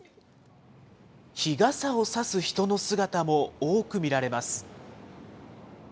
日傘を差す人の姿も多く見られます。